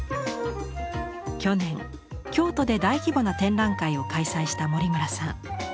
去年京都で大規模な展覧会を開催した森村さん。